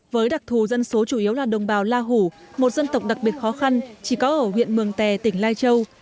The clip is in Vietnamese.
với đặc thù dân số chủ yếu là đồng bào la hủ một dân tộc đặc biệt khó khăn chỉ có ở huyện mường tè tỉnh lai châu